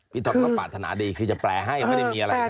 ปี๊ทอธก็ปรารถนาดีคือจะแปรให้ไม่ได้มีอะไรครับ